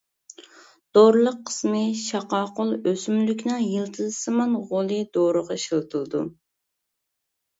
دورىلىق قىسمى شاقاقۇل ئۆسۈملۈكنىڭ يىلتىزسىمان غولى دورىغا ئىشلىتىلىدۇ.